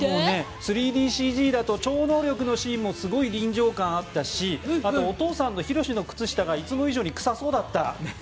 ３ＤＣＧだと超能力のシーンもすごい臨場感あったしあと、お父さんのひろしの靴下がいつも以上に臭そうだった。